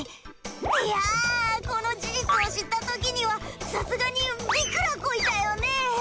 いやこの事実を知ったときにはさすがにびっくらこいたよね！